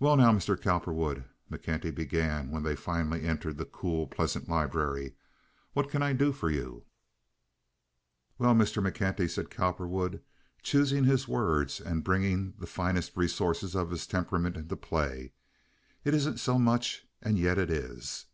"Well now, Mr. Cowperwood," McKenty began, when they finally entered the cool, pleasant library, "what can I do for you?" "Well, Mr. McKenty," said Cowperwood, choosing his words and bringing the finest resources of his temperament into play, "it isn't so much, and yet it is.